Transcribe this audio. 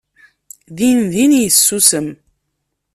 Dindin yessusem.